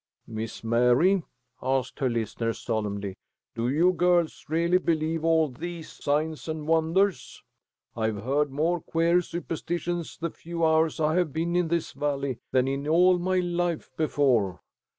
"Miss Mary," asked her listener, solemnly, "do you girls really believe all these signs and wonders? I have heard more queer superstitions the few hours I have been in this Valley, than in all my life before."